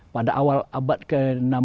pada awal abad ke enam belas